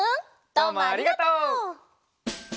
どうもありがとう！